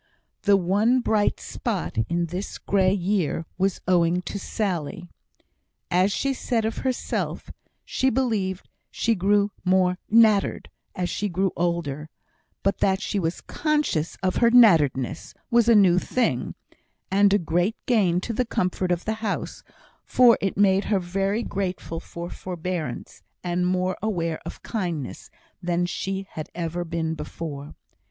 The one happy bright spot in this grey year was owing to Sally. As she said of herself, she believed she grew more "nattered" as she grew older; but that she was conscious of her "natteredness" was a new thing, and a great gain to the comfort of the house, for it made her very grateful for forbearance, and more aware of kindness than she had ever been before.